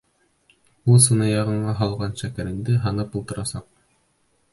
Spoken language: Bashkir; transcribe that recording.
Ул сынаяғыңа һалған шәкәреңде һанап ултырасаҡ!